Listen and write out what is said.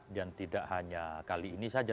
dan tidak hanya kali ini saja